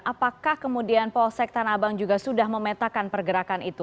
apakah kemudian polsek tanah abang juga sudah memetakan pergerakan itu